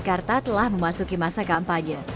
jakarta telah memasuki masa kampanye